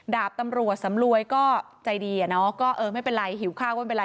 ดาบตำรวจสำรวยก็ใจดีอะเนาะก็เออไม่เป็นไรหิวข้าวก็ไม่เป็นไร